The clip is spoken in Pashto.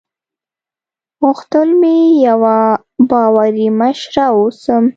غوښتل مې یوه باوري مشره واوسم.